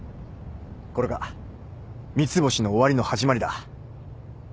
これが三ツ星の終わりの始まりだ。